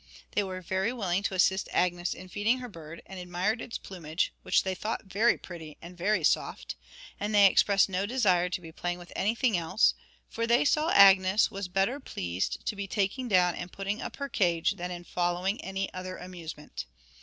They were very willing to assist Agnes in feeding her bird, and admired its plumage, which they thought very pretty and very soft, and they expressed no desire to be playing with anything else, for they saw Agnes was better pleased to be taking down and putting up her cage than in following any other amusement.